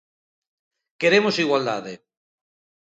Queremos igualdade!